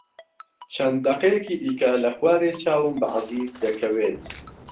چەند دەقەیەکی دیکە لە خوارێ چاوم بە عەزیز دەکەوێت.